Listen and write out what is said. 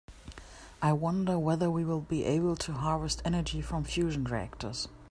I wonder whether we will be able to harvest energy from fusion reactors.